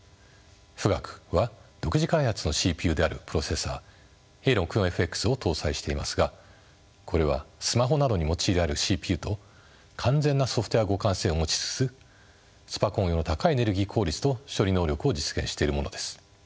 富岳は独自開発のＣＰＵであるプロセッサーＡ６４ＦＸを搭載していますがこれはスマホなどに用いられるＣＰＵと完全なソフトウエア互換性を持ちつつスパコン用の高いエネルギー効率と処理能力を実現しているものです。